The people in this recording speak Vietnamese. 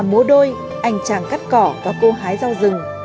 múa đôi anh tràng cắt cỏ và cô hái rau rừng